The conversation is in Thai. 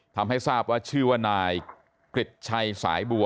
ทำให้ทราบว่าชื่อว่านายกริจชัยสายบัว